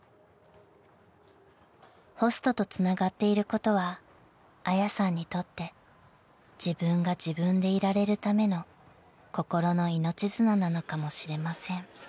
［ホストとつながっていることはあやさんにとって自分が自分でいられるための心の命綱なのかもしれません］